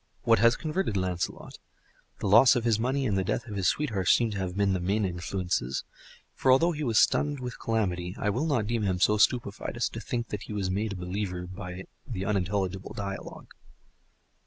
What has converted Lancelot? The loss of his money and the death of his sweetheart seem to have been the main influences. For although he was stunned with calamity, I will not deem him so stupefied as to think that he was made a believer by the unintelligible dialogue.